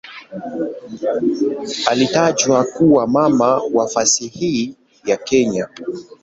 Alitajwa kuwa "mama wa fasihi ya Kenya".